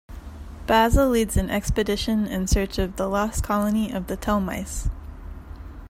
Basil leads an expedition in search of the Lost Colony of the Tellmice.